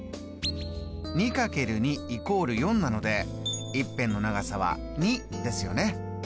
２×２＝４なので１辺の長さは２ですよね。